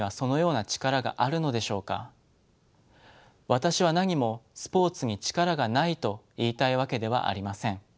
私はなにもスポーツに力がないと言いたいわけではありません。